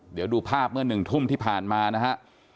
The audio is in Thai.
เดี๋ยวดูภาพเมื่อ๑ทุ่มที่ผ่านมานะฮะ